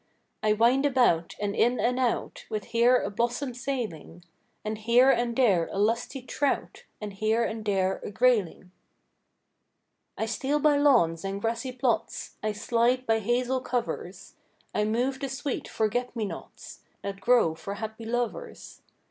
I wind about, and in and out, With here a blossom sailing, And here and there a lusty trout, And here and there a grayling. I steal by lawns and grassy plots, I slide by hazel covers; I move the sweet forget me nots, That grow for happy lovers.